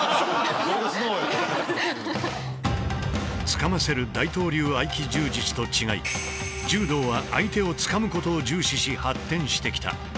つかませる大東流合気柔術と違い柔道は相手をつかむことを重視し発展してきた。